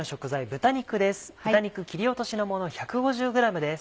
豚肉切り落としのもの１５０ｇです。